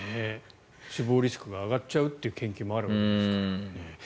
死亡リスクが上がっちゃうって研究もあるわけですからね。